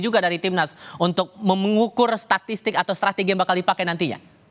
untuk mengukur statistik atau strategi yang akan dipakai nantinya